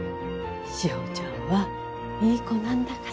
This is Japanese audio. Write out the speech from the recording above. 志保ちゃんはいい子なんだから。